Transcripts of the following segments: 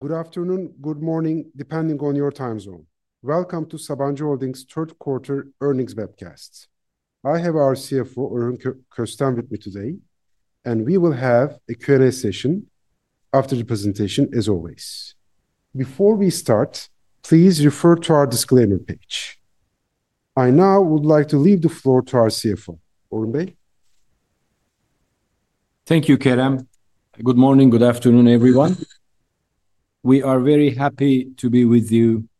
Good afternoon, good morning, depending on your time zone. Welcome to Sabancı Holding's third-quarter earnings webcast. I have our CFO, Orhun Köstem, with me today, and we will have a Q&A session after the presentation, as always. Before we start, please refer to our disclaimer page. I now would like to leave the floor to our CFO, Orhun Bey. Thank you, Kerem. Good morning, good afternoon, everyone. We are very happy to be with you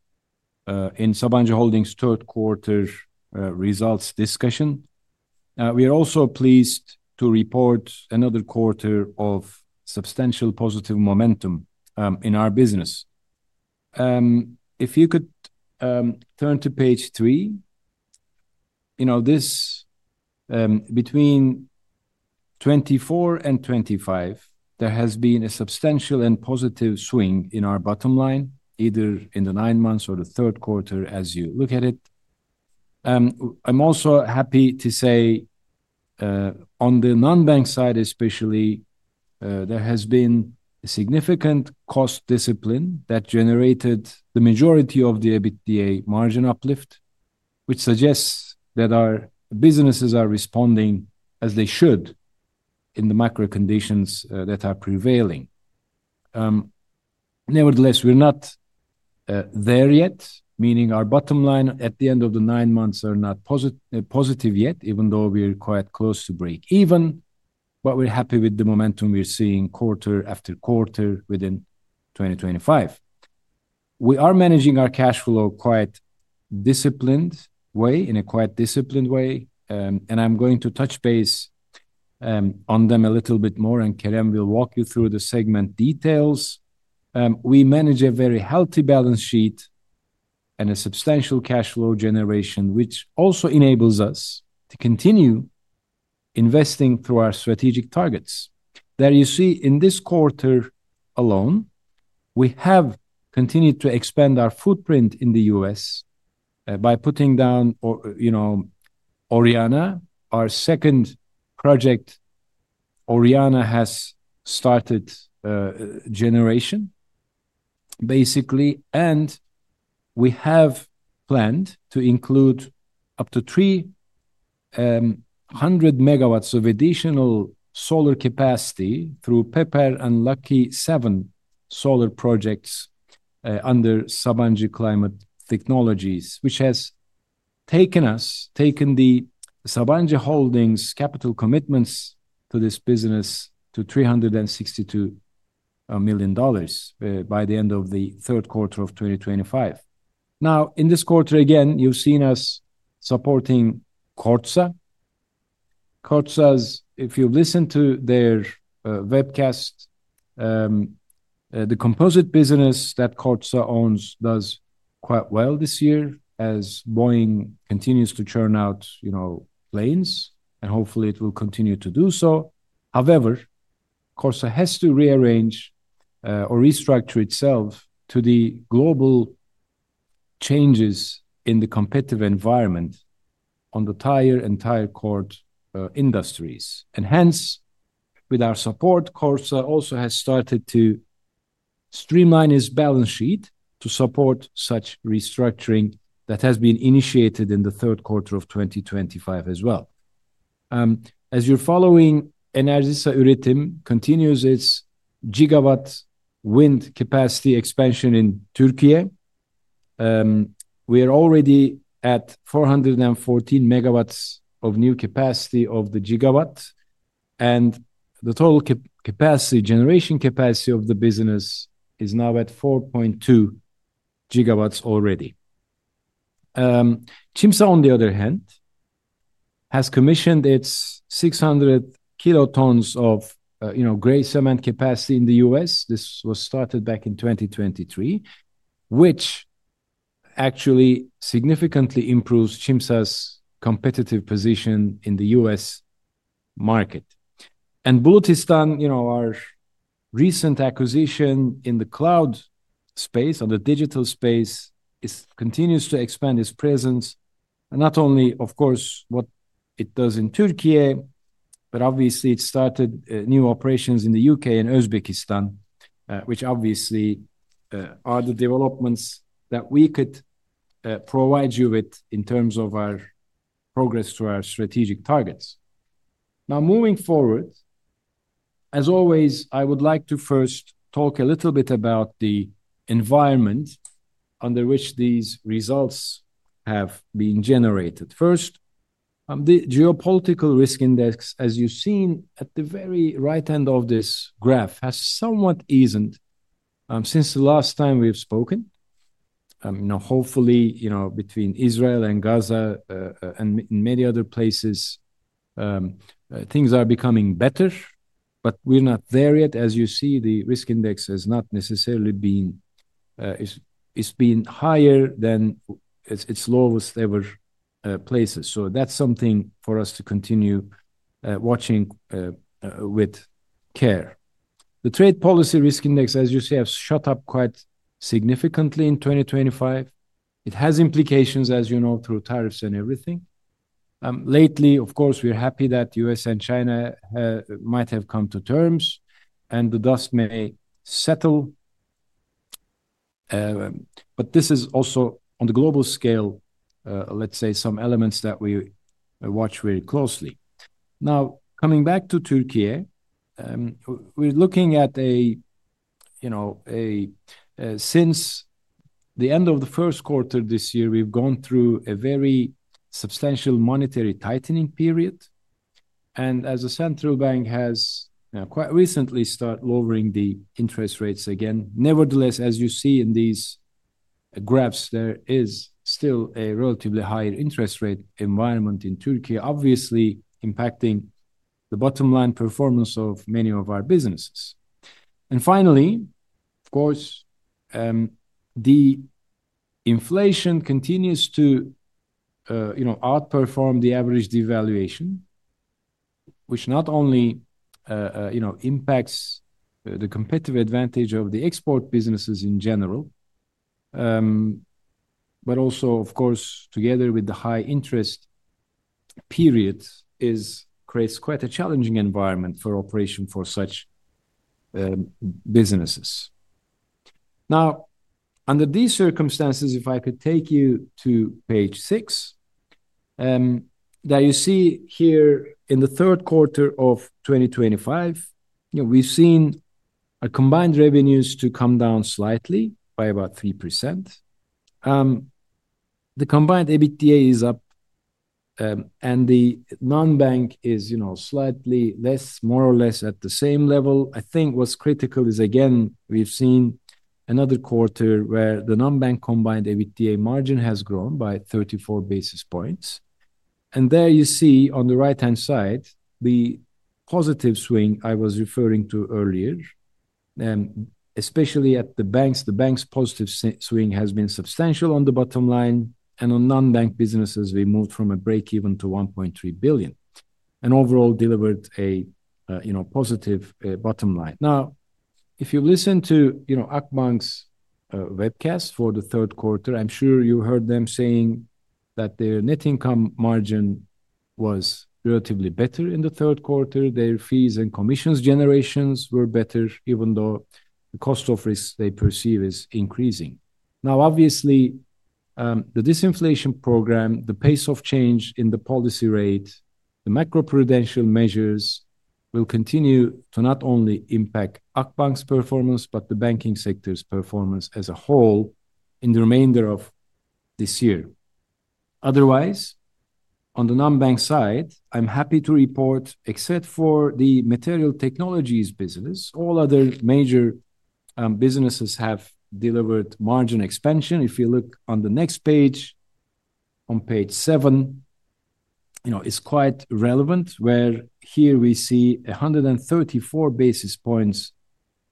in Sabancı Holding's third quarter results discussion. We are also pleased to report another quarter of substantial positive momentum in our business. If you could turn to page three. You know this. Between 2024 and 2025, there has been a substantial and positive swing in our bottom line, either in the nine months or the third quarter, as you look at it. I'm also happy to say on the non-bank side especially, there has been significant cost discipline that generated the majority of the EBITDA margin uplift, which suggests that our businesses are responding as they should in the macro conditions that are prevailing. Nevertheless, we're not there yet, meaning our bottom line at the end of the nine months is not positive yet, even though we're quite close to break-even, but we're happy with the momentum we're seeing quarter after quarter within 2025. We are managing our cash flow in a quite disciplined way, and I'm going to touch base on them a little bit more, and Kerem will walk you through the segment details. We manage a very healthy balance sheet and a substantial cash flow generation, which also enables us to continue investing through our strategic targets. There you see, in this quarter alone, we have continued to expand our footprint in the U.S. by putting down Oriana, our second project. Oriana has started generation, basically, and we have planned to include up to 300 MW of additional solar capacity through Pepper and Lucky 7 solar projects under Sabancı Climate Technologies, which has taken us, taken the Sabancı Holding's capital commitments to this business to $362 million by the end of the third quarter of 2025. Now, in this quarter, again, you've seen us supporting Kordsa. Kordsa's, if you've listened to their webcast. The composite business that Kordsa owns does quite well this year, as Boeing continues to churn out planes, and hopefully it will continue to do so. However, Kordsa has to rearrange or restructure itself to the global changes in the competitive environment on the tire and tire cord industries. Hence, with our support, Kordsa also has started to streamline its balance sheet to support such restructuring that has been initiated in the third quarter of 2025 as well. As you're following, Enerjisa Üretim continues its gigawatt wind capacity expansion in Türkiye. We are already at 414 MW of new capacity of the gigawatt, and the total capacity generation capacity of the business is now at 4.2 GW already. Çimsa, on the other hand, has commissioned its 600 kilotons of gray cement capacity in the U.S.. This was started back in 2023, which actually significantly improves Çimsa's competitive position in the U.S. market. And Bulutistan, our recent acquisition in the cloud space, on the digital space, continues to expand its presence, not only, of course, what it does in Türkiye, but obviously it started new operations in the U.K. and Uzbekistan, which obviously are the developments that we could provide you with in terms of our progress to our strategic targets. Now, moving forward, as always, I would like to first talk a little bit about the environment under which these results have been generated. First. The Geopolitical Risk Index, as you've seen at the very right end of this graph, has somewhat eased since the last time we've spoken. Hopefully, between Israel and Gaza and many other places, things are becoming better, but we're not there yet. As you see, the risk index has not necessarily been. It's been higher than its lowest ever places, so that's something for us to continue watching with care. The Trade Policy Risk Index, as you see, has shot up quite significantly in 2025. It has implications, as you know, through tariffs and everything. Lately, of course, we're happy that the U.S. and China might have come to terms and the dust may settle. This is also on the global scale, let's say, some elements that we watch very closely. Now, coming back to Türkiye, we're looking at a Since the end of the first quarter this year, we've gone through a very substantial monetary tightening period. As the central bank has quite recently started lowering the interest rates again. Nevertheless, as you see in these graphs, there is still a relatively high interest rate environment in Türkiye, obviously impacting the bottom line performance of many of our businesses. Finally, of course, the inflation continues to outperform the average devaluation, which not only impacts the competitive advantage of the export businesses in general, but also, of course, together with the high interest period, creates quite a challenging environment for operation for such businesses. Now, under these circumstances, if I could take you to page six. There you see here in the third quarter of 2025, we've seen our combined revenues come down slightly by about 3%. The combined EBITDA is up. The non-bank is slightly less, more or less at the same level. I think what's critical is, again, we've seen another quarter where the non-bank combined EBITDA margin has grown by 34 basis points. There you see on the right-hand side the positive swing I was referring to earlier, especially at the banks. The banks' positive swing has been substantial on the bottom line, and on non-bank businesses, we moved from a break-even to 1.3 billion and overall delivered a positive bottom line. Now, if you listen to Akbank's webcast for the third quarter, I'm sure you heard them saying that their net income margin was relatively better in the third quarter. Their fees and commissions generations were better, even though the cost of risk they perceive is increasing. Now, obviously. The disinflation program, the pace of change in the policy rate, the macroprudential measures will continue to not only impact Akbank's performance, but the banking sector's performance as a whole in the remainder of this year. Otherwise, on the non-bank side, I'm happy to report, except for the material technologies business, all other major businesses have delivered margin expansion. If you look on the next page, on page seven, it's quite relevant, where here we see 134 basis points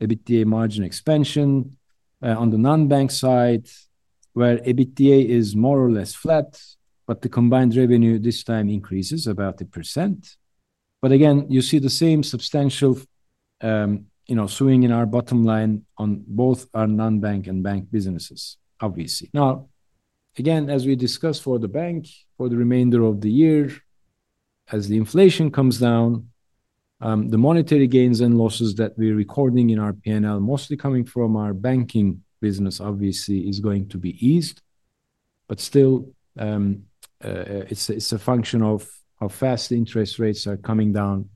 EBITDA margin expansion. On the non-bank side, where EBITDA is more or less flat, but the combined revenue this time increases about 1%. Again, you see the same substantial swing in our bottom line on both our non-bank and bank businesses, obviously. Now, again, as we discussed for the bank, for the remainder of the year, as the inflation comes down. The monetary gains and losses that we're recording in our P&L, mostly coming from our banking business, obviously is going to be eased. Still, it's a function of how fast interest rates are coming down.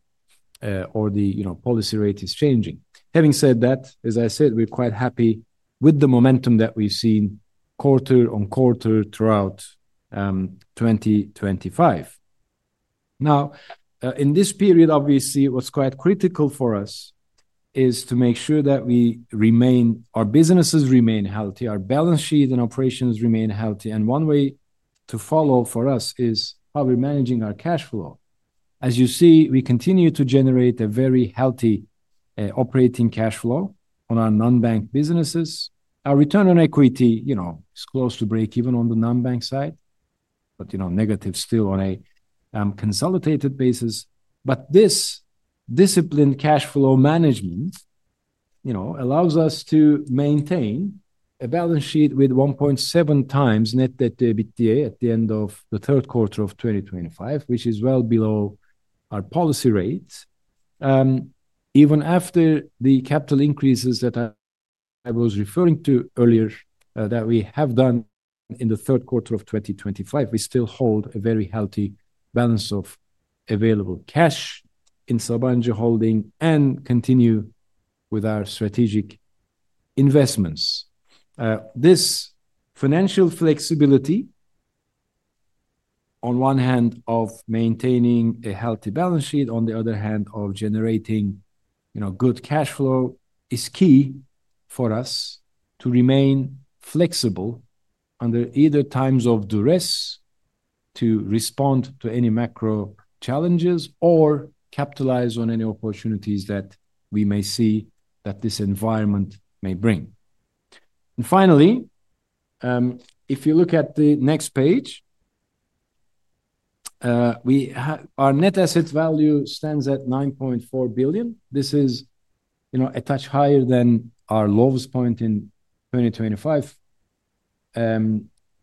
Or the policy rate is changing. Having said that, as I said, we're quite happy with the momentum that we've seen quarter-on-quarter throughout 2025. Now, in this period, obviously, what's quite critical for us is to make sure that our businesses remain healthy, our balance sheet and operations remain healthy. One way to follow for us is how we're managing our cash flow. As you see, we continue to generate a very healthy operating cash flow on our non-bank businesses. Our return on equity is close to break-even on the non-bank side, but negative still on a consolidated basis. This disciplined cash flow management allows us to maintain a balance sheet with 1.7x net debt to EBITDA at the end of the third quarter of 2025, which is well below our policy rate. Even after the capital increases that I was referring to earlier that we have done in the third quarter of 2025, we still hold a very healthy balance of available cash in Sabancı Holding and continue with our strategic investments. This financial flexibility, on one hand, of maintaining a healthy balance sheet, on the other hand, of generating good cash flow, is key for us to remain flexible under either times of duress. To respond to any macro challenges or capitalize on any opportunities that we may see that this environment may bring. Finally, if you look at the next page, our net asset value stands at $9.4 billion. This is a touch higher than our lowest point in 2025.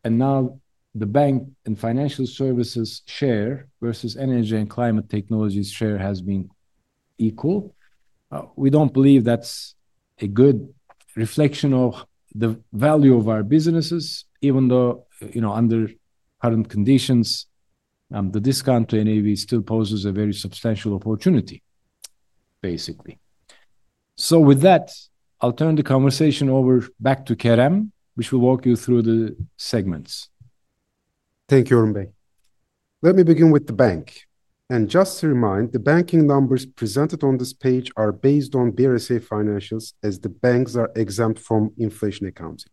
Now the bank and financial services share versus energy and climate technologies share has been equal. We do not believe that is a good reflection of the value of our businesses, even though under current conditions, the discount to NAV still poses a very substantial opportunity. Basically. With that, I will turn the conversation over back to Kerem, who will walk you through the segments. Thank you, Orhun Bey. Let me begin with the bank. Just to remind, the banking numbers presented on this page are based on BRSA financials as the banks are exempt from inflation accounting.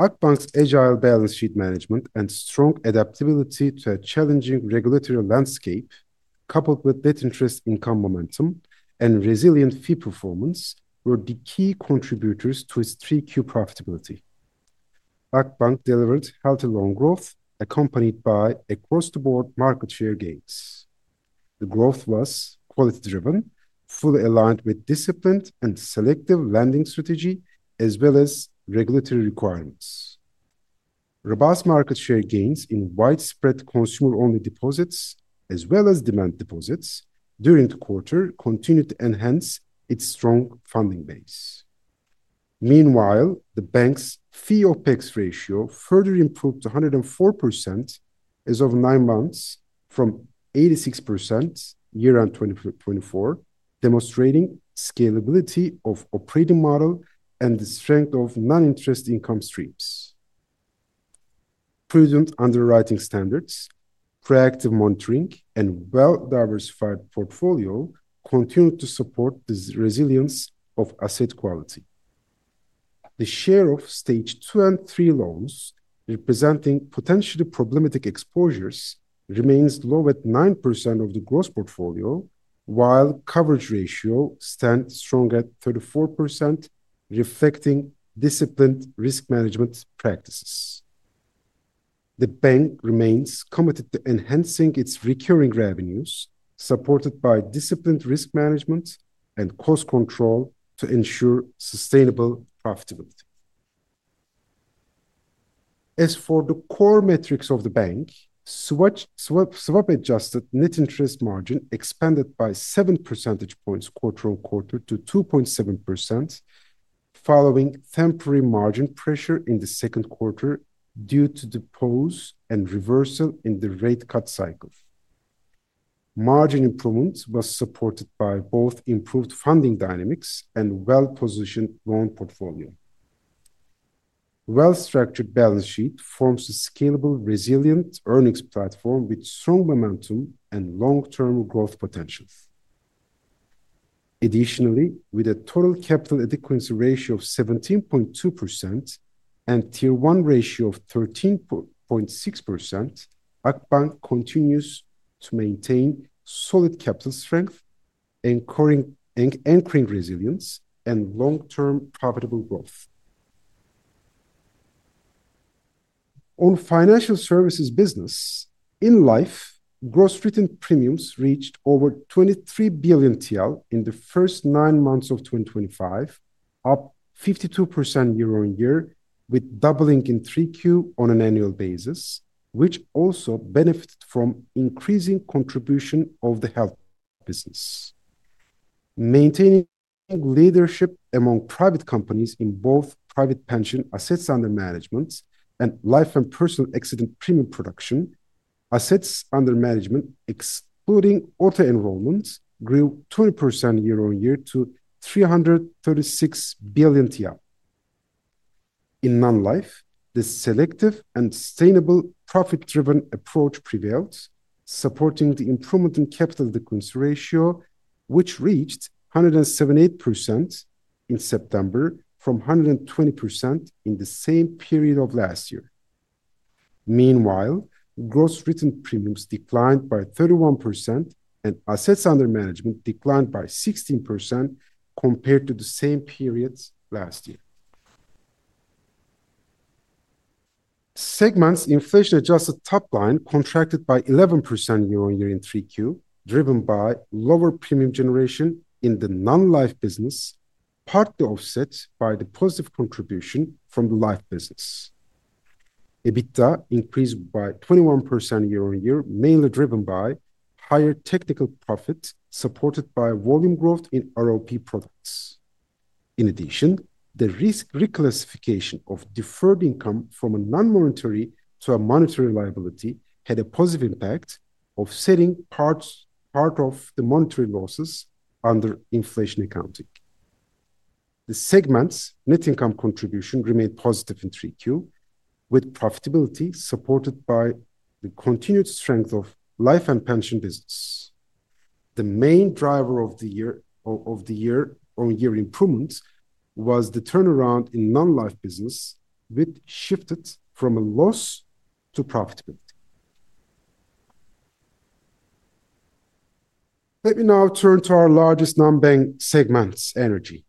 Akbank's agile balance sheet management and strong adaptability to a challenging regulatory landscape, coupled with debt interest income momentum and resilient fee performance, were the key contributors to its 3Q profitability. Akbank delivered healthy loan growth, accompanied by across-the-board market share gains. The growth was quality-driven, fully aligned with disciplined and selective lending strategy, as well as regulatory requirements. Robust market share gains in widespread consumer-only deposits, as well as demand deposits during the quarter, continued to enhance its strong funding base. Meanwhile, the bank's fee-OpEx ratio further improved to 104%. As of nine months from 86% year-round 2024, demonstrating scalability of operating model and the strength of non-interest income streams. Prudent underwriting standards, proactive monitoring, and well-diversified portfolio continue to support the resilience of asset quality. The share of stage two and three loans representing potentially problematic exposures remains low at 9% of the gross portfolio, while coverage ratio stands strong at 34%, reflecting disciplined risk management practices. The bank remains committed to enhancing its recurring revenues, supported by disciplined risk management and cost control to ensure sustainable profitability. As for the core metrics of the bank. Swap-adjusted net interest margin expanded by 7 percentage points quarter-on-quarter to 2.7%. Following temporary margin pressure in the second quarter due to the pause and reversal in the rate cut cycle, margin improvement was supported by both improved funding dynamics and well-positioned loan portfolio. Well-structured balance sheet forms a scalable, resilient earnings platform with strong momentum and long-term growth potential. Additionally, with a total capital adequacy ratio of 17.2% and tier one ratio of 13.6%, Akbank continues to maintain solid capital strength, anchoring resilience and long-term profitable growth. On financial services business, in life, gross written premiums reached over 23 billion TL in the first nine months of 2025, up 52% year-on-year, with doubling in 3Q on an annual basis, which also benefited from increasing contribution of the health business. Maintaining leadership among private companies in both private pension assets under management and life and personal accident premium production, assets under management, excluding auto enrollment, grew 20% year-on-year to 336 billion TL. In non-life, the selective and sustainable profit-driven approach prevailed, supporting the improvement in capital adequacy ratio, which reached 178% in September from 120% in the same period of last year. Meanwhile, gross written premiums declined by 31% and assets under management declined by 16% compared to the same period last year. Segments' inflation-adjusted top line contracted by 11% year-on-year in 3Q, driven by lower premium generation in the non-life business, partly offset by the positive contribution from the life business. EBITDA increased by 21% year-on-year, mainly driven by higher technical profit supported by volume growth in ROP products. In addition, the risk reclassification of deferred income from a non-monetary to a monetary liability had a positive impact of setting part of the monetary losses under inflation accounting. The segments' net income contribution remained positive in 3Q, with profitability supported by the continued strength of life and pension business. The main driver of the year-on-year improvement was the turnaround in non-life business, which shifted from a loss to profitability. Let me now turn to our largest non-bank segments, energy.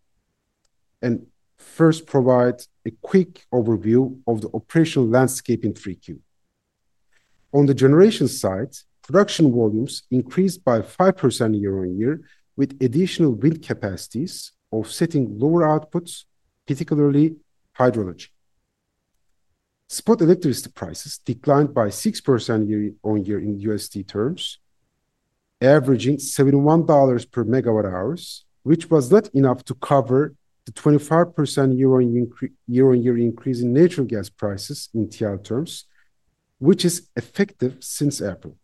First, provide a quick overview of the operational landscape in 3Q. On the generation side, production volumes increased by 5% year-on-year, with additional wind capacities offsetting lower outputs, particularly hydrology. Spot electricity prices declined by 6% year-on-year in USD terms, averaging $71 per MWh which was not enough to cover the 25% year-on-year increase in natural gas prices in TRY terms, which is effective since April.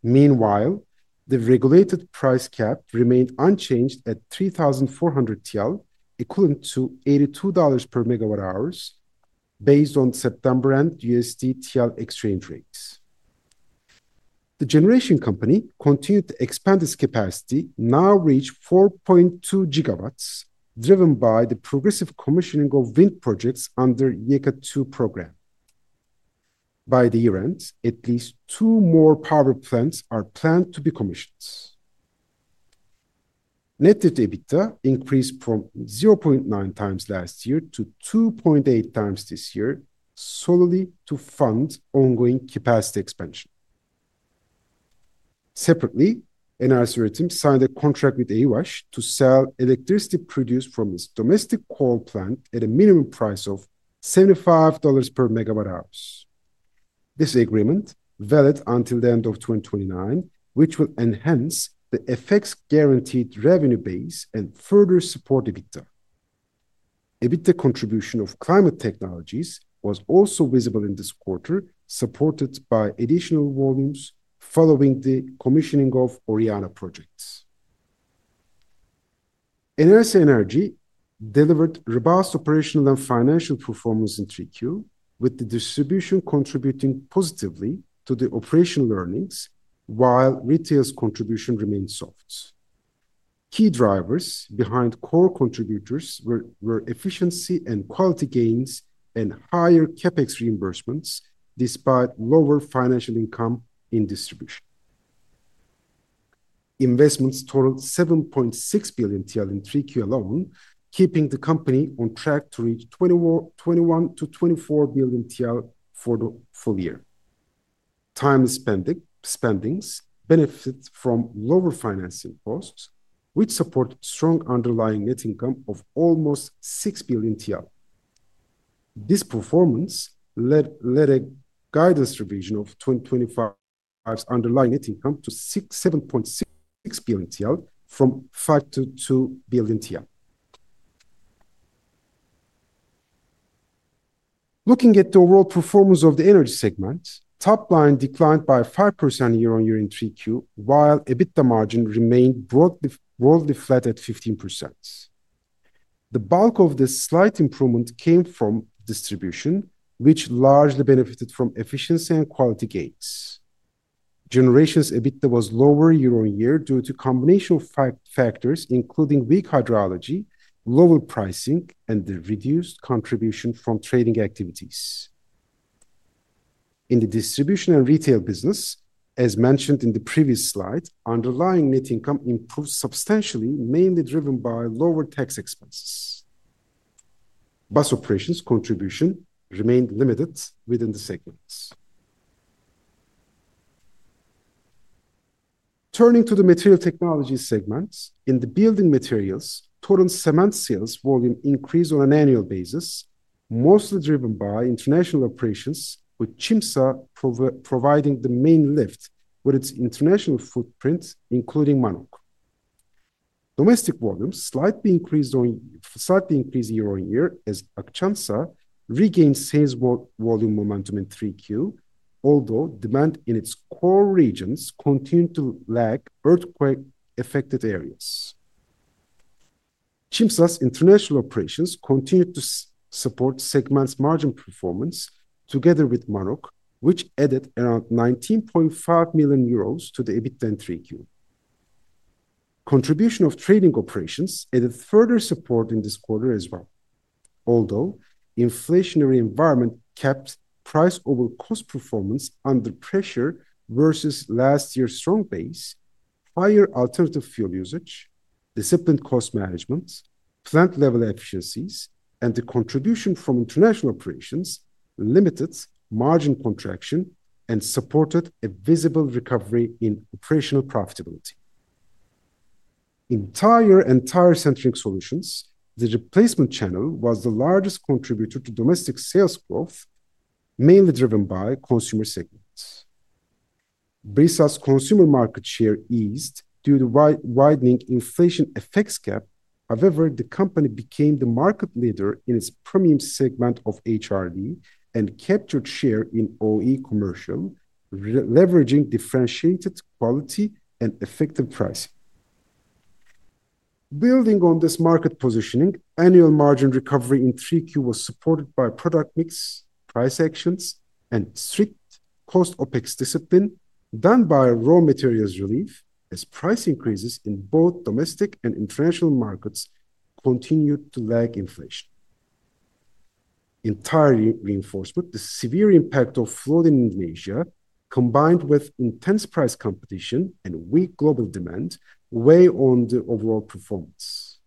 Meanwhile, the regulated price cap remained unchanged at 3,400 TL, equivalent to $82 per MWh, based on September and USD/TRY exchange rates. The generation company continued to expand its capacity, now reaching 4.2 GW, driven by the progressive commissioning of wind projects under the YEKA-2 program. By the year-end, at least two more power plants are planned to be commissioned. Net EBITDA increased from 0.9x last year to 2.8x this year, solely to fund ongoing capacity expansion. Separately, Enerjisa Üretim signed a contract with EÜAŞ to sell electricity produced from its domestic coal plant at a minimum price of $75 per MWh. This agreement, valid until the end of 2029, will enhance the FX guaranteed revenue base and further support EBITDA. EBITDA contribution of climate technologies was also visible in this quarter, supported by additional volumes following the commissioning of Oriana projects. Enerjisa Energy delivered robust operational and financial performance in 3Q, with the distribution contributing positively to the operational earnings, while retail's contribution remained soft. Key drivers behind core contributors were efficiency and quality gains and higher CapEx reimbursements, despite lower financial income in distribution. Investments totaled 7.6 billion TL in 3Q alone, keeping the company on track to reach 21 billion-24 billion TL for the full year. Timely spendings benefited from lower financing costs, which supported strong underlying net income of almost 6 billion TL. This performance led a guidance revision of 2025's underlying net income to 7.6 billion TL from 5-2 billion TL. Looking at the overall performance of the energy segment, top line declined by 5% year-on-year in 3Q, while EBITDA margin remained broadly flat at 15%. The bulk of the slight improvement came from distribution, which largely benefited from efficiency and quality gains. Generation's EBITDA was lower year-on-year due to a combination of five factors, including weak hydrology, lower pricing, and the reduced contribution from trading activities. In the distribution and retail business, as mentioned in the previous slide, underlying net income improved substantially, mainly driven by lower tax expenses. Bus operations contribution remained limited within the segments. Turning to the material technology segment, in the building materials, total cement sales volume increased on an annual basis, mostly driven by international operations, with Çimsa providing the main lift with its international footprint, including Mannok. Domestic volumes slightly increased year-on-year as Akçansa regained sales volume momentum in 3Q, although demand in its core regions continued to lag earthquake-affected areas. Çimsa's international operations continued to support segments' margin performance together with Mannok, which added around 19.5 million euros to the EBITDA in 3Q. Contribution of trading operations added further support in this quarter as well. Although the inflationary environment kept price over cost performance under pressure versus last year's strong base, higher alternative fuel usage, disciplined cost management, plant-level efficiencies, and the contribution from international operations limited margin contraction and supported a visible recovery in operational profitability. In tire and tire-centric solutions, the replacement channel was the largest contributor to domestic sales growth, mainly driven by consumer segments. Brisa's consumer market share eased due to the widening inflation effects gap. However, the company became the market leader in its premium segment of HRD and captured share in OE commercial, leveraging differentiated quality and effective pricing. Building on this market positioning, annual margin recovery in 3Q was supported by product mix, price actions, and strict cost OpEx discipline, aided by raw materials relief as price increases in both domestic and international markets continued to lag inflation. In tire reinforcement, the severe impact of flood in Indonesia, combined with intense price competition and weak global demand, weighed on the overall performance.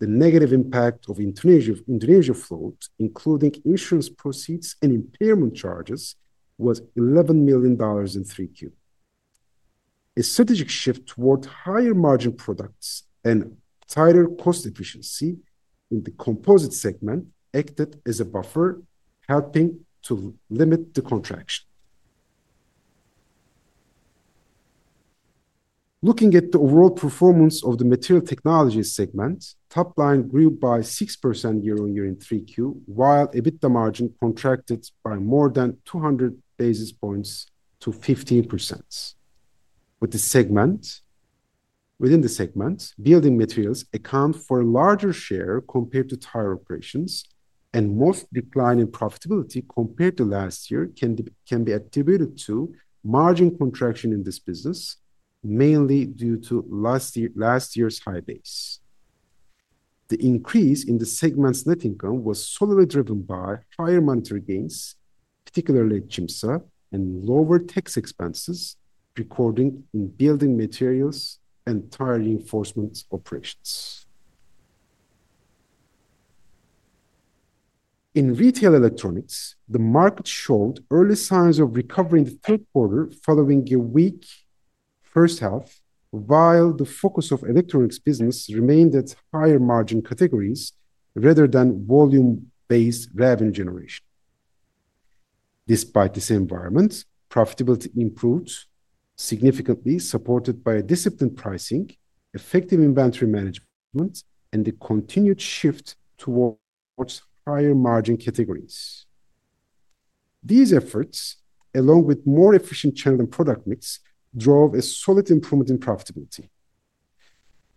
The negative impact of Indonesian flood, including insurance proceeds and impairment charges, was $11 million in 3Q. A strategic shift toward higher margin products and tighter cost efficiency in the composite segment acted as a buffer, helping to limit the contraction. Looking at the overall performance of the material technology segment, top line grew by 6% year-on-year in 3Q, while EBITDA margin contracted by more than 200 basis points to 15%. Within the segment, building materials account for a larger share compared to tire operations, and most decline in profitability compared to last year can be attributed to margin contraction in this business, mainly due to last year's high base. The increase in the segment's net income was solely driven by higher monetary gains, particularly at Çimsa, and lower tax expenses recorded in building materials and tire reinforcement operations. In retail electronics, the market showed early signs of recovery in the third quarter following a weak first half, while the focus of electronics business remained at higher margin categories rather than volume-based revenue generation. Despite this environment, profitability improved significantly, supported by disciplined pricing, effective inventory management, and the continued shift towards higher margin categories. These efforts, along with more efficient channel and product mix, drove a solid improvement in profitability.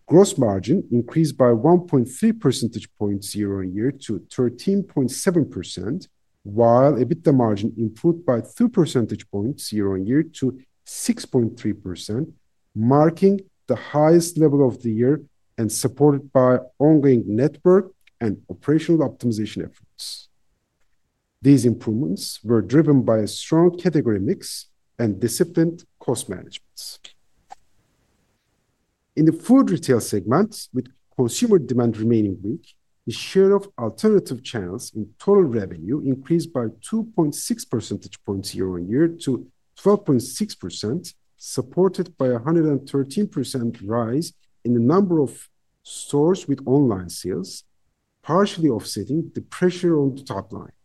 Gross margin increased by 1.3 percentage points year-on-year to 13.7%. while EBITDA margin improved by 3 percentage points year-on-year to 6.3%, marking the highest level of the year and supported by ongoing network and operational optimization efforts. These improvements were driven by a strong category mix and disciplined cost management. In the food retail segment, with consumer demand remaining weak, the share of alternative channels in total revenue increased by 2.6 percentage points year-on-year to 12.6%, supported by a 113% rise in the number of stores with online sales, partially offsetting the pressure on the top line.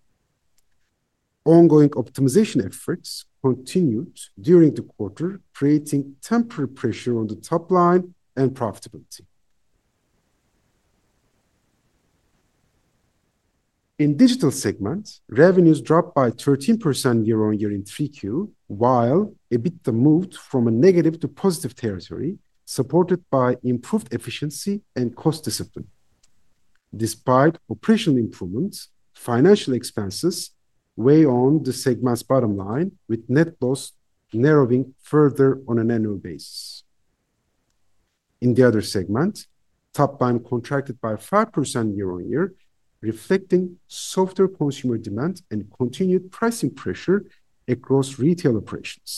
Ongoing optimization efforts continued during the quarter, creating temporary pressure on the top line and profitability. In digital segment, revenues dropped by 13% year-on-year in 3Q, while EBITDA moved from a negative to positive territory, supported by improved efficiency and cost discipline. Despite operational improvements, financial expenses weighed on the segment's bottom line, with net loss narrowing further on an annual basis. In the other segment, top line contracted by 5% year-on-year, reflecting softer consumer demand and continued pricing pressure across retail operations.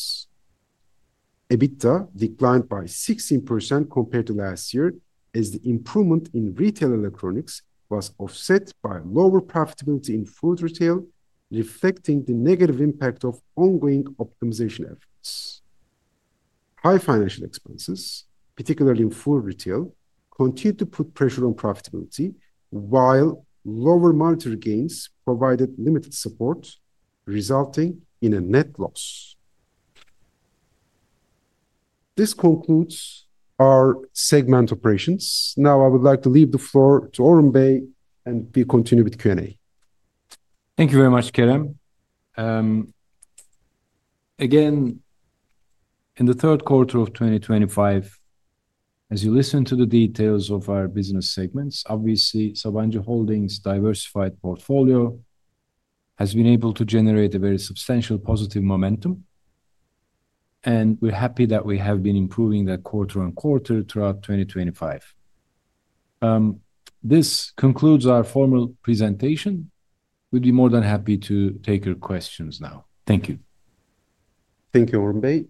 EBITDA declined by 16% compared to last year as the improvement in retail electronics was offset by lower profitability in food retail, reflecting the negative impact of ongoing optimization efforts. High financial expenses, particularly in food retail, continued to put pressure on profitability, while lower monetary gains provided limited support, resulting in a net loss. This concludes our segment operations. Now, I would like to leave the floor to Orhun Bey and we continue with Q&A. Thank you very much, Kerem. Again, in the third quarter of 2025, as you listen to the details of our business segments, obviously, Sabancı Holding's diversified portfolio has been able to generate a very substantial positive momentum. We are happy that we have been improving that quarter on quarter throughout 2025. This concludes our formal presentation. We would be more than happy to take your questions now. Thank you. Thank you, Orhun Bey.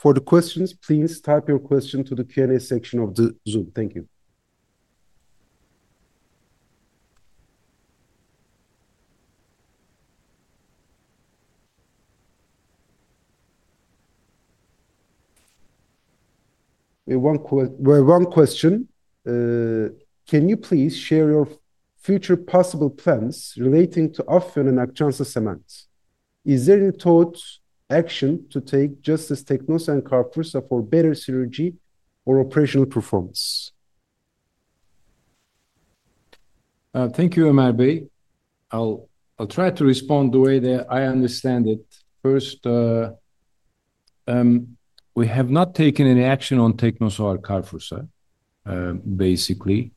For the questions, please type your question to the Q&A section of the Zoom. Thank you. One question. Can you please share your future possible plans relating to Afyon and Akçansa cements? Is there any thought action to take just as Teknosa and CarrefourSA for better synergy or operational performance? Thank you, Ömer Bey. I'll try to respond the way that I understand it. First. We have not taken any action on Teknosa or CarrefourSA. Basically.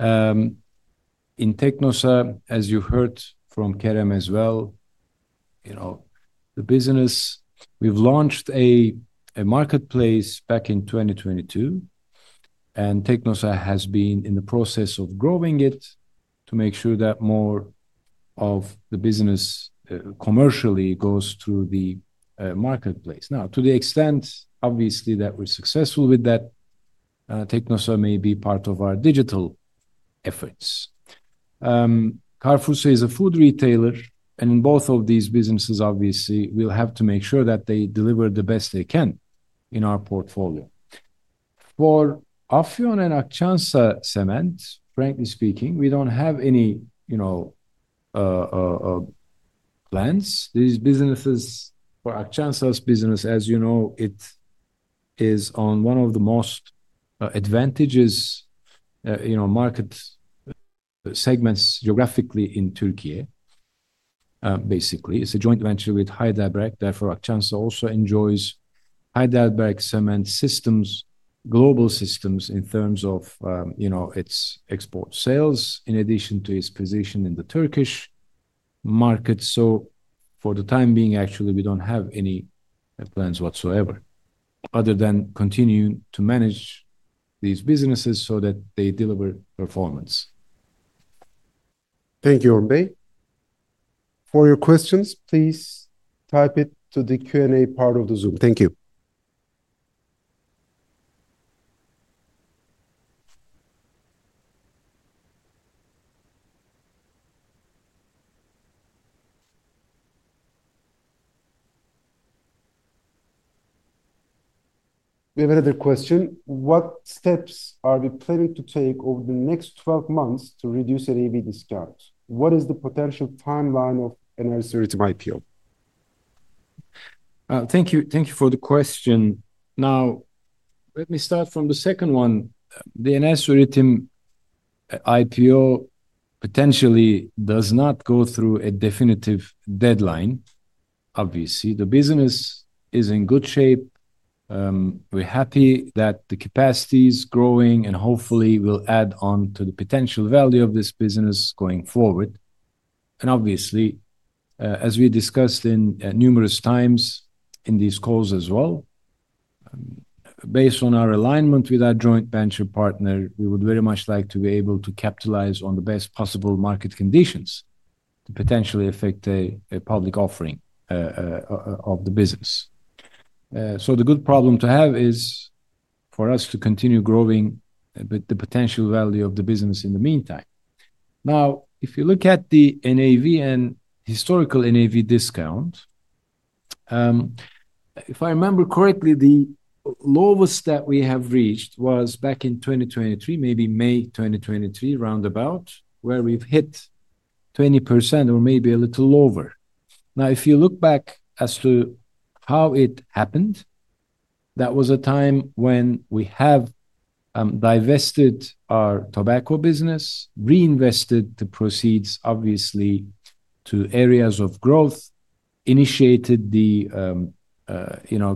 In Teknosa, as you've heard from Kerem as well. You know the business. We've launched a marketplace back in 2022. And Teknosa has been in the process of growing it to make sure that more of the business. Commercially goes through the marketplace. Now, to the extent, obviously, that we're successful with that. Teknosa may be part of our digital efforts. CarrefourSA is a food retailer, and in both of these businesses, obviously, we'll have to make sure that they deliver the best they can in our portfolio. For Afyon and Akçansa cement, frankly speaking, we don't have any plans. These businesses, for Akçansa's business, as you know, it is on one of the most advantageous market segments geographically in Türkiye. Basically, it's a joint venture with HeidelbergCement. Therefore, Akçansa also enjoys HeidelbergCement systems, global systems in terms of its export sales, in addition to its position in the Turkish market. For the time being, actually, we don't have any plans whatsoever other than continuing to manage these businesses so that they deliver performance. Thank you, Orhun Bey. For your questions, please type it to the Q&A part of the Zoom. Thank you. We have another question. What steps are we planning to take over the next 12 months to reduce LEV discounts? What is the potential timeline of Enerjisa Üretim IPO? Thank you for the question. Now, let me start from the second one. The Enerjisa Üretim IPO potentially does not go through a definitive deadline, obviously. The business is in good shape. We're happy that the capacity is growing, and hopefully, we'll add on to the potential value of this business going forward. Obviously, as we discussed numerous times in these calls as well, based on our alignment with our joint venture partner, we would very much like to be able to capitalize on the best possible market conditions to potentially affect a public offering of the business. The good problem to have is for us to continue growing with the potential value of the business in the meantime. Now, if you look at the NAV and historical NAV discount. If I remember correctly, the lowest that we have reached was back in 2023, maybe May 2023, roundabout, where we've hit 20% or maybe a little lower. Now, if you look back as to how it happened. That was a time when we have divested our tobacco business, reinvested the proceeds, obviously, to areas of growth, initiated the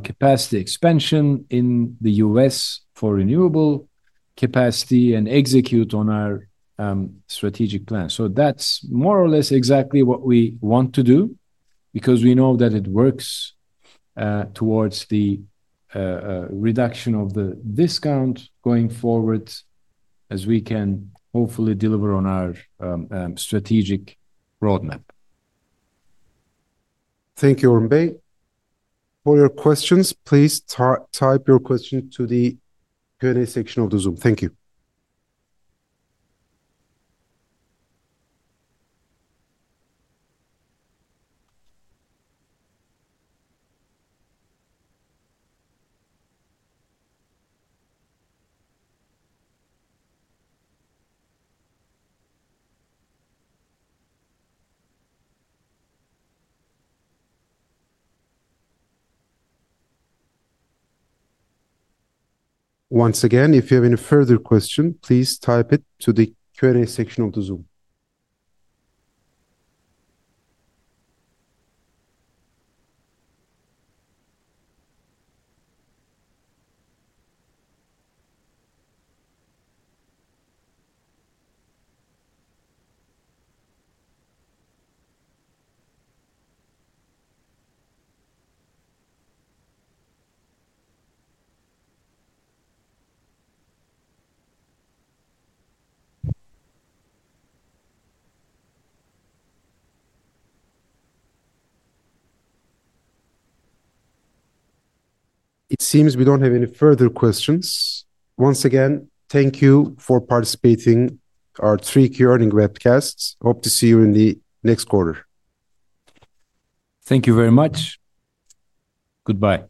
capacity expansion in the U.S. for renewable capacity, and execute on our strategic plan. So that's more or less exactly what we want to do because we know that it works towards the reduction of the discount going forward. As we can hopefully deliver on our strategic roadmap. Thank you, Orhun Bey. For your questions, please type your questions to the Q&A section of the Zoom. Thank you. Once again, if you have any further questions, please type it to the Q&A section of the Zoom. It seems we don't have any further questions. Once again, thank you for participating in our 3Q earning webcasts. Hope to see you in the next quarter. Thank you very much. Goodbye.